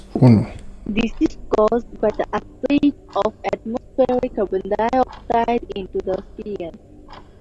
This is caused by the uptake of atmospheric carbon dioxide into the ocean.